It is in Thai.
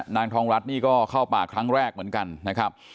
นางทองรัฐนี่ก็เข้าป่าครั้งแรกเหมือนกันนะครับ